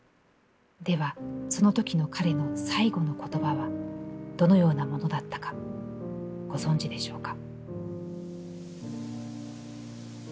では、そのときの彼の『最期の言葉』はどのようなものだったか、ご存じでしょうか？」。